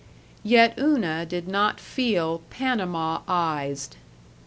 Yet Una did not feel Panama ized.